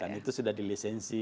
dan itu sudah di lisensi